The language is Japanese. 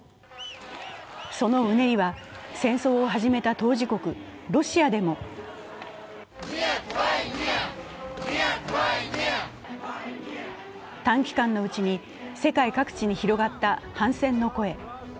そのうねりは戦争を始めた当事国、ロシアでも短期間のうちに世界各地に広がった反戦の声。